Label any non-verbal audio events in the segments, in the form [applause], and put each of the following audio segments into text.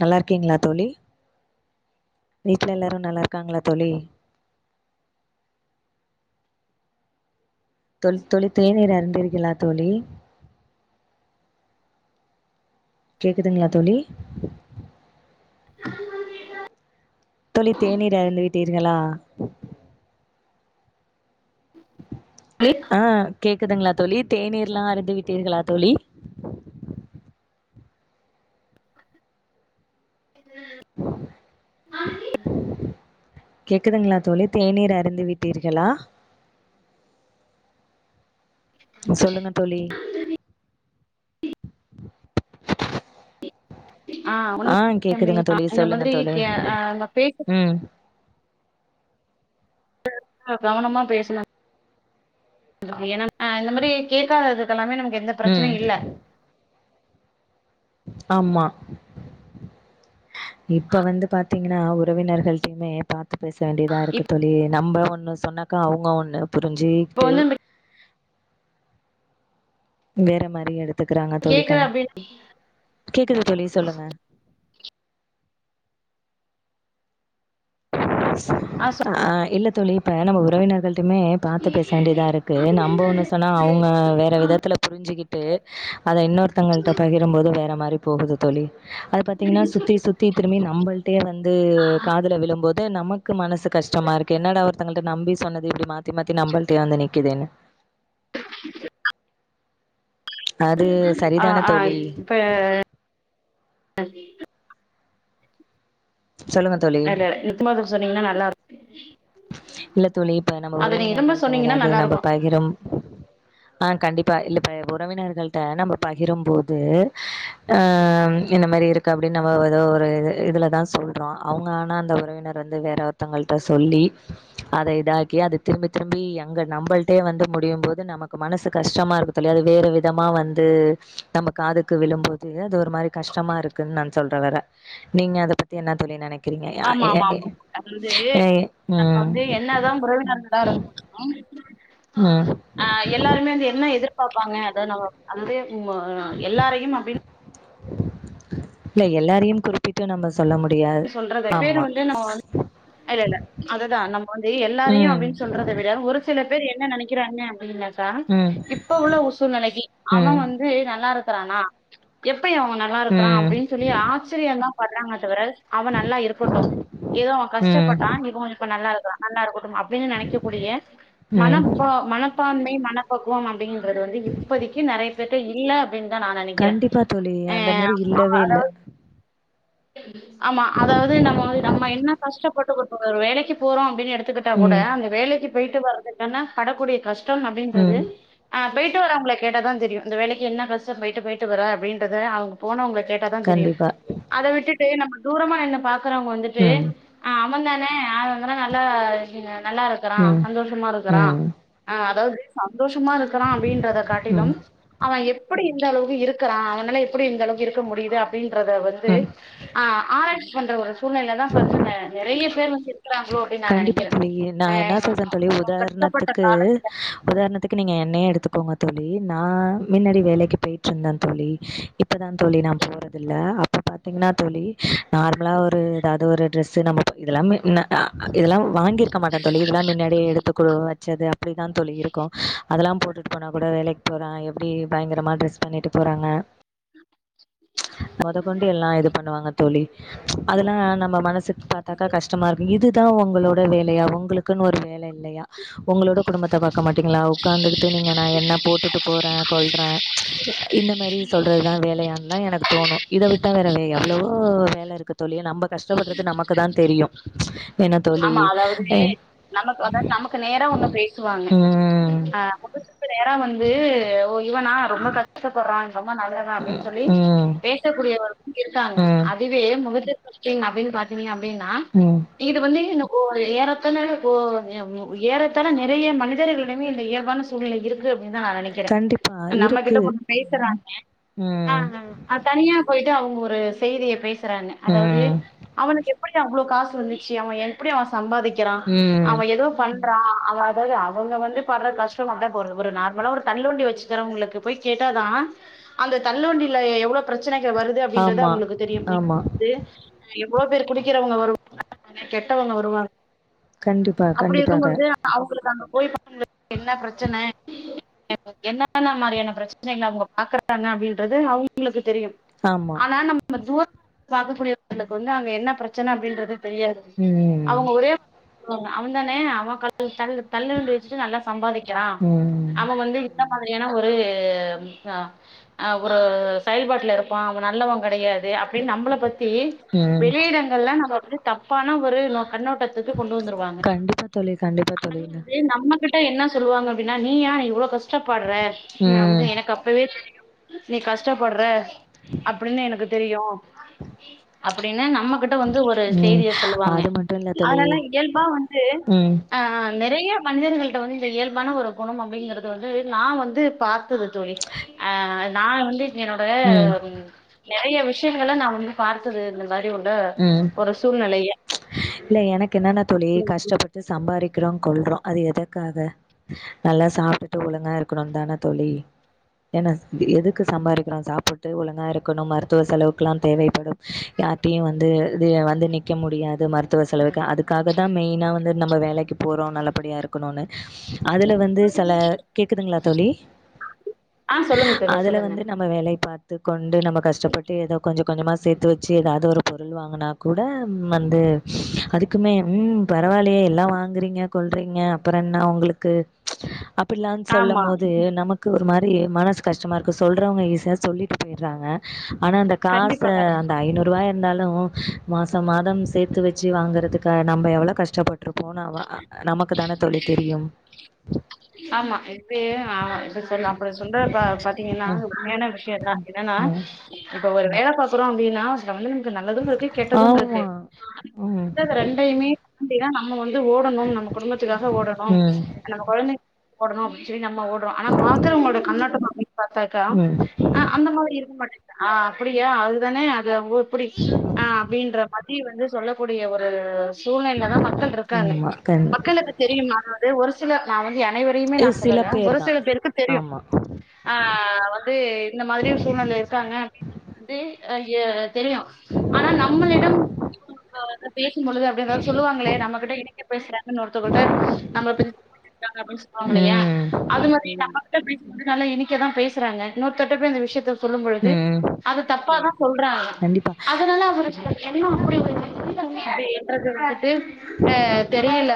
நல்லா இருக்கீங்களா தோழி வீட்ல எல்லாரு நல்லா இருக்காங்களா தோழி தொல் தோழி தேநீர் அறிந்தீர்களா தோழி கேக்குதுங்ளா தோழி தோழி தேநீர் அருந்து விட்டீர்களா தோழி ஆஹ் கேக்குதுங்ளா தோழி தேநீர்லா அறிந்து விட்டீர்களா தோழி இது கேக்குதுங்களா தோழி தேநீர் அருந்து விட்டீர்களா சொல்லுங்க தோழி ஆஹ் ஆ கேக்குதுங்க [inaudible] தோழி அங்க சொல்லுங்க மாதிரி் தோழி அந்த பேச ம் கவனமா பேசலா இந்த மாதிரி கேட்காததுக்கெல்லாமே எந்த ம் பிரச்சனையு இல்ல ஆமா இப்ப வந்து பாத்தீங்கன்னா உறவினர்கள்டையுமே பாத்து பேச வேண்டியதா இருக்கு இப்ப தோழி நம்ம ஒண்ணு சொன்னாக்கா அவங்க ஒண்ணு புரிஞ்சிட்டு வந்து நம்ம வேற மாரி எடுக்கு எடுத்துக்கிறாங்க தோழி கேக்குற அப்டின்னு கேக்குது தோழி சொல்லுங்க ஆ சொ ஆஹ் இல்ல தோழி இப்ப நம்ம உறவினர்கள் மட்டுமே பாத்து பேச வேண்டிதா இருக்கு நம்ம ஒன்னு சொன்னா அவுங்க வேற விதத்துல புரிஞ்சிக்கிட்டு அத இன்னொருத்தங்கள்ட பகிரும் போது வேற மாரி போகுது தோழி அது பாத்தீங்கன்னா சுத்தி சுத்தி திரும்பி நம்மள்ட்டயே வந்து காதுல விழும்போது து நமக்கு மனசு கஷ்டமா இருக்கு என்னடா ஒருத்தங்கள்ட நம்பி சொன்னது இப்டி மாத்தி மாத்தி நம்பள்டயே வந்து நிக்கிதேன்னு [inaudible] அது ஆ சரிதான ஆ தோழி இப்ப சொல்லுங்க தோழி இல்ல [unintelligible] சொன்னீங்கன்னா நல்லா இருக் இல்ல தோழி இப்ப நம்ம திரும்ப உறவினர்கள்ட சொன்னீங்கன்னா எதாது நல்லா நம்ம இருக்கு பகிரும் ஆஹ் கண்டிப்பா இல்ல இப்ப உறவினர்கள்ட நம்ம பகிரும் போது ஆஹ் இந்த மாரி இருக்கு அப்டின்னு நம்ம ஏதோ ஒரு இது இதுல தா சொல்றோ அவுங்க ஆனா அந்த உறவினர் வந்து வேற ஒருத்தங்கள்கிட்ட சொல்லி அத இதாக்கி அது திரும்பி திரும்பி அங்க நம்மள்டே வந்து முடியு போது நமக்கு மனசு கஷ்டமா இருக்கதுல்லையா அது வேற விதமா வந்து நம்ம காதுக்கு விழும்போது து அது ஒரு மாரி கஷ்டமா இருக்குன்னு நா சொல்றே வேற நீங்க அத பத்தி என்ன தோழி நெனைக் கிறீங்க நா ஆமா எ ஆமா எ ஆமா அது வந்து எ நம்ம வந்து ம் என்னதா உறவினர்ங்களா இருந்தாலும் ம் ஆஹ் எல்லாருமே வந்து என்ன எதிர் பாப்பாங்க அது நம்ம அது வந்து உம் எல்லாரையு அப்டின்னு இல்ல எல்லாரையு குறிப்பிட்டு நம்ம சொல்ல முடியாது சொல்றத பேரு ஆமா வந்து நம்ம இல்ல இல்ல அதுதா நம்ம வந்து எல்லாரையு ம் அப்டின்னு சொல்றத விட ஒரு சில பேர் என்ன நெனைக்கிறாங்க அப்டின் நா சொல் ம் டா இப்ப உள்ள உ சூழ்நிலைக்கு ம் அவன் வந்து நல்லா இரு ருக்கறானா எப் பயு அவ நல்லா இருக்கறா ம் அப்டின்னு சொல்லி ஆச்சரியம்தா படுறாங்க தவிற அவன் நல்லா இருக்கட்டும் ஏதோ அவ ம் கஷ்டப்பட்டான் இவ இப்ப நல்லா இரு றா நல்லா இருக்கட்டு அப்டின்னு நெனைக்கக்கூடிய ம் மனப்ப மனப்பான்மை மன பக்குவம் அப்டிங்கறது வந்து இப்போதிக்கு நெறைய பேருட்ட இல்ல அப்டின்னு தா நா நெனைக்கிறே கண்டிப்பா தோழி ஆ அந்த மாரி இல்லவே இல்ல ஆமா அதாவது நம்ம வ நம்ம என்ன கஷ்ட போட்டு ஒரு வேலைக்கு போறோ அப்படின்னு டுத்துக்கிட்டா கூட ம் அந்த வேலைக்கு போயிட்டு வரதுக்குன்னா படக்கூடிய கஷ்ட டம் அப்படின்றது ம் அ போயிட்டு வரவங்கல கேட்ட தா தெரியு இந்த வேலைக்கு என்ன கஷ்டம் போயிட்டு போயிட்டு வர அப்படின்றறது அவங்க போனவங்களுக் கேட்டாதா தெரியு கண்டிப்பா போய்ட்டு நம்ம தூரமா நின்னு பார்த் றவங்க வந்துட்டு ம் ஆம்மா தானே ஆ நல்லா இருக்குங்க நல்லா இருக்கறா ம் சந்தோஷமா இருக்கறா ம் ஆ அதாவது சாம் சந்தோஷமா இருக்கிறா அப்படின்றத காட்டிலும் ம் அவ எ எப்படி இந்தளவுக்கு இருக்கிறா அவனால எப்படி இந்தளவுக்கு இருக்க முடியுது அப்டின்னு றத வந்து ம் ஆ ஆ ஆராய்ச்சி பண்ற ஒரு சூழ்நிலை தா இப்ப வந்து நெறைய பேரு வந் கண்டிப்பா தோழி நா என்ன சொல்றே தோழி ஆ கஷ்டப்பட்ட உதாரணத்துக்கு காலத்துல உதாரணத்துக்கு நீங்க என்னயே எடுத்துக் க்கோங்க தோழி நா மின்னாடி வேலைக்கு போயிட்டுருந்தே தோழி இப் இப்பதா தோழி நா போறதில்ல இப்போ பாத்தீங்கன்னா தோளி நார்மலா ஒரு ஏதாவது ஒரு ட்ரெஸ்ஸு நம்ம இதெல்லாமேன இதெல்லாம் வாங்கியிருக்க மாட்டே தோளி இதெல்லா முன்னாடி எடுத்துக்க வச்சது அப்படிதா தோளி இருக்கு அதெல்லாம் போட்டுட்டு போனா கூட வேலைக்கு போற எப்படி பயங்கரமா டிரஸ் பண்ணிட்டு போறாங்க ம்ச் மொதகொண்டு எல்லா இது பண்ணுவாங்க அதல்லா நம்ம மனசுக்கு பாக்க கஷ்டமா இரு இதுதா உங்களோட வேலையா உங்களுக்குன்னு ஒரு வேலை இல்லையா உங்களோடய குடும்பத்தை பாக்க மாட்டிங்களா உட்காந்துக்கிட்டு நீங்க நா என்ன போட்டுட்டு போகிறே கொல்கிறே இந்த மாதிரி சொல்கிறது தா வேலையான்லாம் எனக்கு தோணும் இதை விட்டு தான் வேறு வே எவ்வளவோ வேலை இருக்குது தோளி நம்ம கஷ்டப்படுறது நமக்கு தா தெரியு [inaudible] ஆமா அதாவது நமக்கு அதாவது நமக்கு நேரா ஒண்ணு பேசுவாங்க ம். ஆ முதுகுக்கு நேர வந்து இவனா ரொம்ப கஷ்டப்பறா ரொம்ப நல்லதா அப்டின்னு சொல்லி ம். பேசக்கூடியவர் இருக்காங்க ம். அதுவே முகத்து ங்கின் அப்டின் பாத்தீங்க அப் அப்டின்னா ம். வந்து இந்த கு ஏறத்தாழ கொ ஏறத்தாழ நிறைய மனிதர்களிடமே இந்த இயல்பான சூழ்நிலை இருக்கு குன் தா நா நெனைக்கிறே கண்டிப்பா நம்மகிட்ட இருக்கு. கொஞ்ச பேசுறாங்க ம். ஆ தனியா போயி து அவங்க ஒரு செய்திய பேஸ் றாங்க அதாவது ம். அவனுக்கு எப்டிங்க அவ்ளோ காஸ் வந்து சு அவெ எப்டி அவெ சம்பாதிக்கிறா ம். அவெ ஏதோ பண் றா அதாது அவங்க வந்து படுற கஷ்டம் [unintelligible] போற ஒரு நார்மலா ஒரு தள்ளு வண்டி வச்சு தரவங்களுக்கு போய் கேட்டாதா அந்த தள்ளுவண்டில எவ்ளோ பிரச் ச்சனைக்கு வருது அப்டின்றத ஆமா, அவங்களுக்கு தெரியு ஆமா. [inaudible] எவ்ளோ பேர் குடிக்கிறவங்க வருவ கெட்டவங்க வருவாங் கண்டிப்பா, அப்டி கண்டிப்பாக. இருக்கும்பொழுது அவங்களுக்கு அங்க போய் என்ன பிரச்சன என்னன்ன மாரியான பிரச்சனைகள அவங்க பாக்குறாங்க அப்டின்றது அவங்களுக்கு தெரியும் ஆமா. ஆனா நம்ம தூ பாக்கக்கூடியவங்களுக்கு வந்து அங்க என்ன பிரச்சன அப்படின்றது தெரியாது ம், அவங்க ஒரே அவன் தானே அவ [inaudible] தள்ளு வண்டி வச்சுட்டு நல்லா சம்பாதிக்கிறா ம், அவெ வந்து பையனா ஒரு அ ஒரு செயல்பாட்டுல இருப்பா அவெ நல்லவெ கெடையாது து அப்டின்னு நம்மள பத்தி ம். வெளியிடங்கள்ல நம்ம வந்து தப்பான ஒரு நோக் கண்ணோட் த்துக்கு கொண்டு வந்துருவாங்க கண்டிப்பா தோழி, கண்டிப்பா தோழி. அனால ந வந்து நம்ம மல்ட்ட என்ன சொல்லுவாங்க அப்டினா நீ ஏ இவ்ளோ கஷ் கஷ்டப்பட்ற வந்து ம், எனக்கு அப்பவே [inaudible] நீ கஷ்டப்பட்ற அப்டினு எனக்கு தெரியு அப்டின் ன்னு நம்மகிட்ட வந்து ஒரு ம். செய்திய சொல்லுவாங்க அது மட்டும் இல்ல தோழி. அதனால இயல்பா வந்து ம், ஆ நெறைய மனிதர்களிட்ட வந்து இந்த இயல்பான ஒரு குணம் அப்டிங்கறது வந்து நா வந்து பாத்தது தோழி அ நா வந்து என்னோட ம் நறைய விஷ்யங்கள நா வந்து பார்த்தது இல்ல முன்னாடி உள்ள ம். ஒரு சூழ்நிலைய இல்ல எனக்கு என்னன்னா தோழி கஷ்டப்பட்டு சம்பாரிக் க்றோ கொள்றோ அது எதக்காக நல்லா சாப்ட்டுட்டு ஒழுங்கா இருக்கணுன் தான தோழி என்ன எதுக்கு சம்பாரிக்கிறோ சாப்புட்டு ஒழுங்கா இருக்கணும் மருத்துவ செலவுக்குலா தேவைப்படும் யார் நீ வந்து து வந்து நிக்க முடியாது மருத்துவ செலவுக்கு அதுக்காக தா மெயினா வந்து நம்ம வேலைக்கு போறோ நல்லபடியா இருக்கணுன்னு அதுல வந்து செல கேக்குதுங்களா தோழி ஆ சொல்லுங்க தோழி அதுல சொல்லுங்க வந்து நம்ம வேலைய பாத் து கொ நிண்டு நம்ம கஷ்டப்பட்டு ஏதோ கொஞ்சோ கொஞ்சமா சேத்து வச்சி ஏதாவது ஒரு பொருள் வாங்குனா கூட வந்து அதுக்குமே ம் பரவால்லயே எல்லா வாங்குறீங்க கொள்றீங்க அப்பறோ என்ன உங்களுக்கு அப் பிட்லாம் ஆமா சொல்லம்போது நமக்கு ஒரு மார் ரி மனசு கஷ்டமா இருக்கு சொல்றவங்க ஈசியா சொல்லிட்டு போயிட்றாங்க ஆனா அந்த காச கண்டிப்பா கண்டி அந்த ஐநூறுவாய இருந்தாலு மாசோ மாதம் சேத்து வச்சி வாங்கறதுக்கா நம்ப எவ்ளோ கஷ்டப்பட்ருப் போனாவா நமக்கு தான தோழி தெரியும் ஆமா எப்டியு ஆ இப்பிடி சொல் அப்பிடி சொல்றப்ப பாத்தீங்கன்னா ம் உண்மையான விஷ்யோ தா என்னன்னா ம் இப்ப ஒரு வேல பாக்குறோ அப்டின்னா அதுல வந்து நம் நல்லதும் இருக்கு கெட்டதும் இருக்கு ஆமா ம் இந்த ரெண்டையுமே தாண்டிதா நா அந்த மாரி ஓடணும் நம்ம குடும்பத்துக்காக ஓடணும் ம் நம்ம கொழந்தை ஓடணு அப்டின்னு சொல்லி நம்ம ஓடுறோ ஆனா பாக்குறவங்களோட கண்ணோட்டம் பாத் பாத்தாக்கா ம் ஆ அந்த மாதிரி இருக்க மாட் ஆ அப்டியா அதுதானே அது ஊ அப்டி ஆ அப்டின்ற மாரி சுத்தி வந்து சொல்லக்கூடிய ஒரு சூழ்நெலேல தா மக்கள் இருக்காங்க ஆமா கண் மக்களுக்கு தெரியுமா ஒரு சில நா வந்து அனைவரையுமே நா இது சில சொல்லல ஒரு பேர் தா சில பேருக்கு தெரியும் ஆமா ஆ வந்து இந்த மாதிரி சூழ்நெல இருக்காங்க வந்து ஆ ஏ தெரியும் ஆனா நம்மளிடம் பேசும்பொழுது அப்டி எதாது சொல்லுவாங்களே நம்மகிட்ட இனிக்க பேசுறாங்கன்னு ஒருத்தகங்கள்ட்ட நம்ம ட்டாங்க அப்படின் சொல்வாங்க இல்லயா ம் அது மாதிரி [unintelligible] நல்லா இனிக்கதா பேசறாங்க இன்னொருத்தர்ட்ட போய் அந்த விஷயத்த சொல்லும் பொழுது ம் அது தப்பாதா சொல்றாங்க கண்டிப்பா அதனால அவரு என்ன அப்படி ஒரு அப்டின்றத விட்டுட்டு அ தெரியல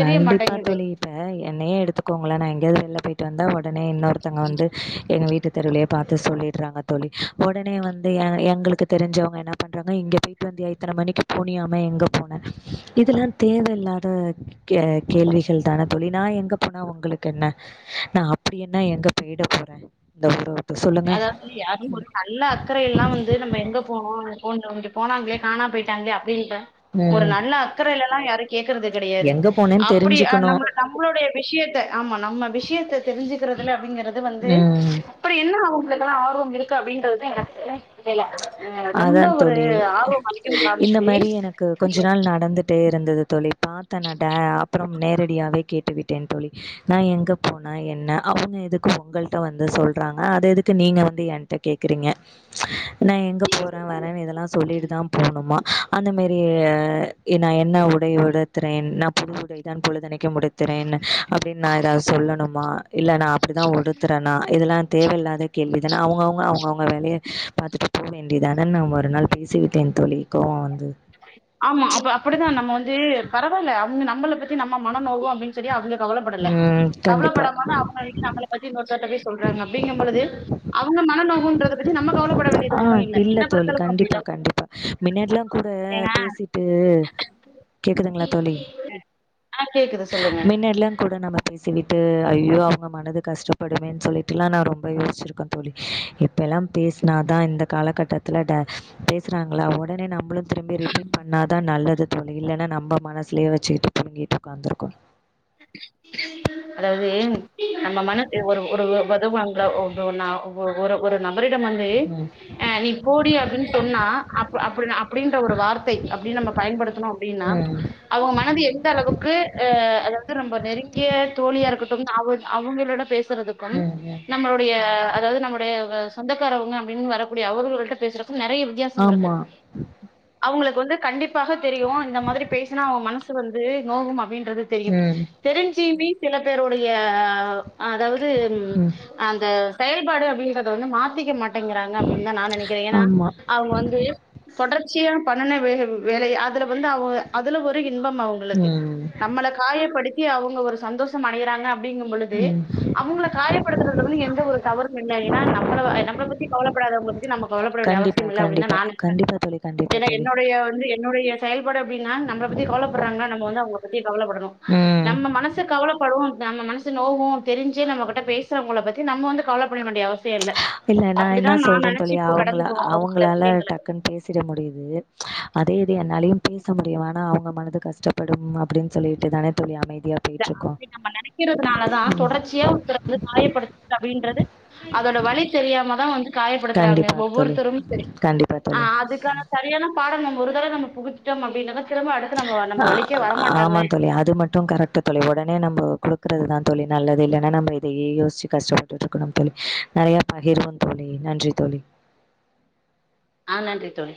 தெரிய கண்டிப்பா மாட்டேங்குது தோழி இப்ப என்னையே எடுத்துக்கோங்களே நா எங்கயாவது வெளில போயிட்டு வந்தா ஒட னே இன்னொருத்தங்க வந்து எங்க வீட்டு தெருலயே பாத்து சொல்லிடுறாங்க தோழி உடனே வந்து எ எங்களுக்கு தெரிஞ்சவங்க என்ன பண்றாங்க இங்க போயிட்டு வந்தயா இத்தனை மணிக்கு போனியாமே எங்க போனே இதெல்லா தேவையில்லாத கே கேள்விகள் தான தோழி நா எங்க போனா உங்களுக்கென்ன நா அப்படி என்ன எங்க போயிட போறே இந்த ஊரவி அதாவது வந்து யாரும் ஒரு நல்ல அக்கறையெல்லா வந்து நம்ம எங்க போனோ அங்க போன்னு வந்து போனாங்ளே காணாம் போயிட்டாங்ளே அப்டின்ற ஒரு ம் நல்ல அக்கறைல லா யாரு கேக்கறது கெடையாது எங்க போனேன்னு அப்படி தெரிஞ்சுக்கணு நம் நம்மளுடைய விஷயத்த ஆமா நம்ம விஷயத்த தெரிஞ்சுக்கிறதுல அப்படிங்கறது வந்து ம் அப்படி என்ன உங்களுக்கெல்லா ஆர்வம் இரு இருக்கு அப்படின்றதா எனக்குமே புரில அதான் தோழி இந்த காமிச்சு மாரி எனக்கு கொஞ்ச நாள் நடந்துட்டே இருந்தது தோழி பார்த்தனட அப்புறம் நேரடியாவே கேட்டுவிட்டேன் தோழி நா எங்க போனா என்ன அவங்க எதுக்கு உங்கள்ட்ட வந்து சொல்றாங்க அத எதுக்கு நீங்க வந்து என்கிட்ட கேக்குறீங்க நா எங்க அந்த மாரி நான் என்ன உடை உடுத்துறேன் நான் புது உடைதான் பொழுத கி முடித்துறேன்னு அப்டின் நா ஏதாது சொல்லணுமா இல்ல நா அப்டிதா உடுத்துறேன்னா இதெல்லாம் தேவையில்லாத கேள்வி தான அவங்கவுங்க அவங்கவுங்க வேலைய பாத்தட்டு போவேன் ண்டிதானன் நா ஒரு நாள் பேசிவிட்டேன் தோழி கோவோ வந்து ஆமா அங்க அப்படிதான் நம்ம வந்து பரவாயில்ல அவங்க நம்மள பத்தி நம்ம மன நோவோம் அப்டின் சொல்லி அவங்க கவலப்படல கண்டிப்பாக கவலப்படாமனா அவுங்க வீட்ல நம்மள பத்தி இன்னொருதர்ட்ட பேஸ் சொல்றாங்க அப்டீங்கம் பொழுது அவ் ஒங்க மன நோகுன்றத பத்தி நம்ம கவலப்பட ஆ வேண்டியது ஒன்னு இல்ல தில்ல என்ன தோழி பொறுத்தளவுக்கு கண்டிப்பா அப்டிதா கண்டிப்பா மின்னாடில்லா கு ட ஏங்க பேசிட்டு கேக்குதுங்களா தோழி ஆ கேக்குது சொல்லுங்க மின்னடில்லாங் கூட நம்ம பேசிவிட்டு து ஐயோ அவங்க மனது கஷ்டப்படுமேன் சொல்லிட்டெல்லா நா ரொம்ப யோஸ்ச்சிருக்கேன் தோழி இப்பெல்லாம் பேஸ் நா தா இந்த காலகட்டத்துல ட பேசுறாங்களா ஒடனே நம்ளு திரும்பி ரிபீட் பண்ணாதா நல்லது தோழி இல்லன்னா நம்ப மனசுலேயே வச்சிகிட்டு புழுங்கிட்டு உக்காந்துருக்கோ அதாவது நம்ம மன ஒரு ஒரு வருவாங்களா ஒரு நா ஒரு ஒரு நபரிடம் வந்து ம். அ நீ போடி அப்டினு சொன்னா அப் அப்டின அப்டின்ற ஒரு வார்த்தை அப்டி நம்ம பயன்படுத்துனோ அப்டின்னா ம். அவங்க மனது எந்த அளவுக்கு அ அதாவது நெருங்கிய தோழியா இருக்கட்டும் அவ அவங்களோட பேச் றதுக்கும் ம். ம். நம்மளுடைய அதாவது நம்முடைய ஆ சொந்தக்காரவங்க அப்டின்னு வரக்கூடிய அவர்களு கிட்ட பேசுற கு நெறைய வித்தியாசம் இருக்கு ஆமா. அவங்களுக்கு வந்து கண்டிப்பாக தெரியு இந்த மாதிரி பேசுனா அவ மனசு வந்து நோகும் அப்டின்றது தெ ம். தெரிஞ்சியிமே சில பேருடைய அ அதாவது ம் அந்த செயல்பாடு அப்டின்றத வந்து மாத்திக்க மாட் டேங்கிறாங்க அப்டின்னு தா நா நெனைக்கிறே ஏன்னா ஆமா. அவங்க வந்து தொடர் சியா பண்ணன வேல வேலை அதுல வந்து அவ் அதுல ஒரு இ இன்பம் அவங்களுக்கு ம். நம்மளுக் காயப்படுத்தி அவங்க ஒரு சந்தோஷம் அடையிறாங்க அப் டிங்கும் பொழுது ம். அவங்கள காயப்படுத்துறதுல வந்து எந்த ஒரு தவறும் இல்ல ஏன்னா நம்மளவ நம்மள பத்தி கவலப்படாதவங்கள பத்தி நம்ம கவலபடவேண்டிய கண்டிப்பா, அவசியம் இல்ல அப்டின்தா கண்டிப்பா. நா நெனப்பே கண்டிப்பா தோழி, கண்டிப்பா ஏன்னா தோழி. என்னுடைய வந்து என்னுடைய செயல்பாடு அப்டின்னா நம்மள பத்தி கவலபடுறாங்கன்னா நம்ம வந்து அவங்கள பத்தி கவலைப்படணு ம். நம்ம மனசு கவலப்படு நம்ம மனசு நோகு தெரிஞ்சே நம்ம கிட்ட பேசுறவங்கள பத்தி நம்ம வந்து கவல பட வேண்டிய அவ இல்ல நா என்ன சொல்றே தோழி இப்போ அவங்கள கடந்து போவேன் ஒரு சில அவங்களால விஷயங்கள. டக்குன்னு பேசிட முடியுது அதே இது என்னாலயு பேச முடியு ஆனா அவங்க மனது கஷ்டப்படும் அப்டின்னு சொல்லிட்டு தானே தோழி அமை இல்ல அப்டி நம்ம நெனைக்கிறதுனாலதா ம் தொடர்ச்சியா ஒருத்தர வந்து காயப்படுத்து அப்டின்றது அதோட வலி தெரியாம தா வந்து காயப்படுத்துறாங்க கண்டிப்பா தோழி ஒவ்வொருத்தரும் சரி கண்டிப்பா தோழி ஆஹ் அதுக்கான சரியான பாடம் நம்ம ஒரு தடவ நம்ம புகுத்திட்டோம் அப்டினதா ச்ச ஆ ஆமா தோழி அது மட்டோ கரெக்ட்டு தோழி ஒடனே நம்போ குடுக்கறதுதா தோழி நல்லது இல்லனா நம்ப இதையே யோஸ்ச்சி கஷ்டப்பட்டுட்டு இருக்கணும் தோழி நிறைய பகிரிவோ தோழி நன்றி தோழி ஆ நன்றி தோழி